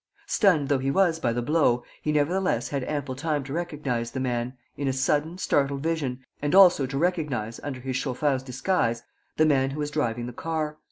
Stunned though he was by the blow, he nevertheless had ample time to recognize the man, in a sudden, startled vision, and also to recognize, under his chauffeur's disguise, the man who was driving the car.